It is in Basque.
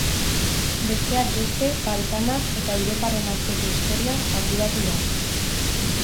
Besteak beste, Balkanak eta Europaren arteko historiaz arduratu da.